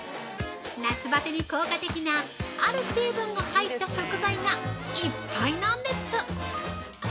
夏バテに効果的なある成分が入った食材がいっぱいなんです！